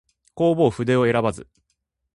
弘法筆を選ばず